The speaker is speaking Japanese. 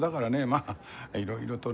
まあいろいろとね。